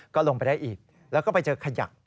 ก็ลงไปได้อีกแล้วก็ไปเจอขยัก